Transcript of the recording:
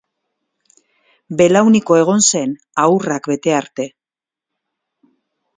Belauniko egon zen ahurrak bete arte.